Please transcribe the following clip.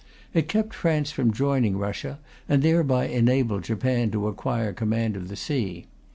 It kept France from joining Russia, and thereby enabled Japan to acquire command of the sea.